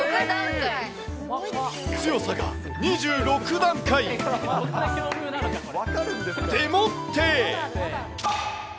強さが２６段階。でもって。